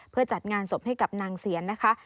เพื่อจัดงานศพให้กับนางเสียนนะคะ